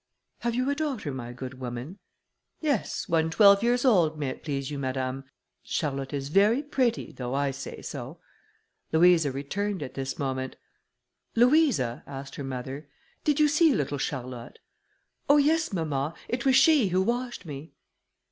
"Have you a daughter, my good woman?" "Yes, one twelve years old, may it please you, madame; Charlotte is very pretty, though I say so." Louisa returned at this moment. "Louisa," asked her mother, "did you see little Charlotte?" "Oh yes, mamma, it was she who washed me."